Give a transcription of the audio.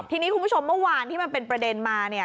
ทีนี้คุณผู้ชมเมื่อวานที่มันเป็นประเด็นมาเนี่ย